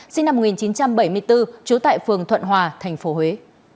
sinh năm một nghìn chín trăm bảy mươi bốn chú tại phường thuận hòa tp huế